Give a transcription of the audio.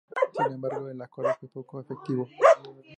Sin embargo el acuerdo fue poco efectivo.